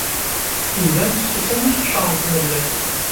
Iban fessus am usseqcer n tmellalt.